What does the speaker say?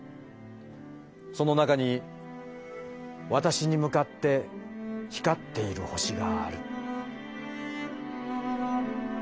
その中にわたしに向かって光っている星がある」。